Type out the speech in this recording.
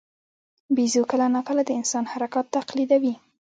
بیزو کله ناکله د انسان حرکات تقلیدوي.